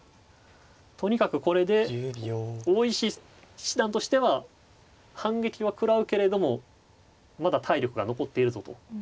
とにかくこれで大石七段としては反撃は食らうけれどもまだ体力が残っているぞと。